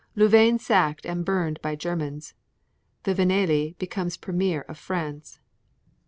Louvain sacked and burned by Germans. Viviani becomes premier of France.